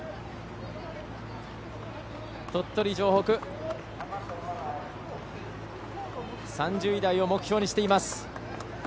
鳥取城北、３０位台を目標にしています。